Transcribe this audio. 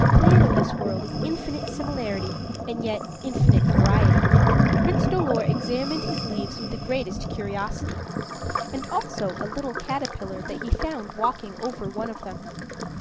The plan of this world is infinite similarity and yet infinite variety. Prince Dolor examined his leaves with the greatest curiosity and also a little caterpillar that he found walking over one of them.